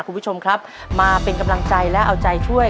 คุณผู้ชมครับมาเป็นกำลังใจและเอาใจช่วย